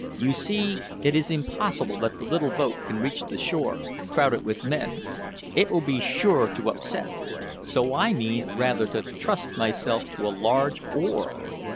You see it is impossible that the little boat can reach the shore, crowded with men. It will be sure to upset, so I mean rather to trust myself to a large oar.